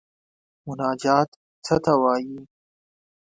مناجات څه ته وايي.